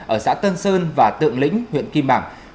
ở xã tân sơn và tượng lĩnh huyện kim bảng